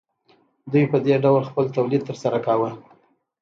دوی په دې ډول خپل تولید ترسره کاوه